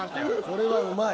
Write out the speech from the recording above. これはうまい。